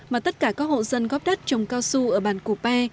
mà tất cả các hộ dân góp đất trồng cao su ở bàn cụp e